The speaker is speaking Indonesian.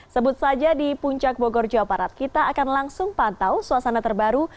sebut saja di puncak bogor jawa barat kita akan langsung pantau suasana terbaru